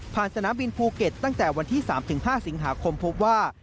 สนามบินภูเก็ตตั้งแต่วันที่๓๕สิงหาคมพบว่า